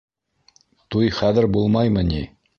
Туй хәҙер булмаймы ни?